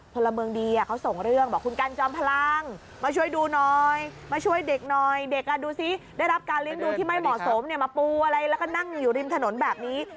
พลเมืองดีเขาส่งเรื่องบอกคุณกันจอมพลังมาช่วยดูหน่อยมาช่วยเด็กหน่อยเด็กดูซิได้รับการเลี้ยงดูที่ไม่เหมาะสมมาปูอะไรแล้วก็นั่งอยู่ริมถนนแบบนี้